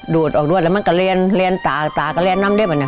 ดูดออกด้วยแล้วมันก็เรียนเรียนตาตาก็เรียนน้ำเด็บอันนี้